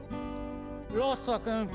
ロッソ君。